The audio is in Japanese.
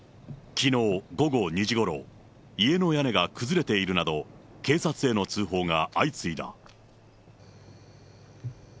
きのう午後２時ごろ、家の屋根が崩れているなど、警察への通報が相次いだ。